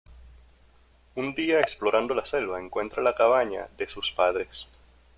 Un día explorando la selva, encuentra la cabaña de sus padres.